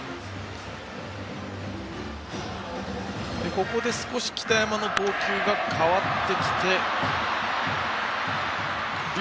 ここで少し北山の投球が変わってきて龍